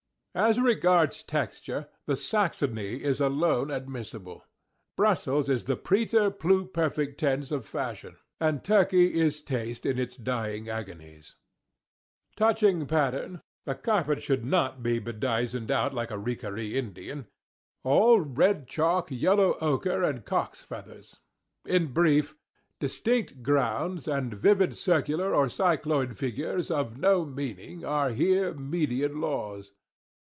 As regards texture, the Saxony is alone admissible. Brussels is the preterpluperfect tense of fashion, and Turkey is taste in its dying agonies. Touching pattern—a carpet should _not _be bedizzened out like a Riccaree Indian—all red chalk, yellow ochre, and cock's feathers. In brief—distinct grounds, and vivid circular or cycloid figures, _of no meaning, _are here Median laws.